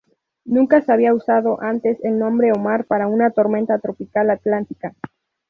Nunca se había usado antes el nombre Omar para una tormenta tropical atlántica.